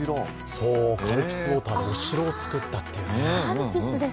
そう、カルピスウォーターのお城を作ったっていう。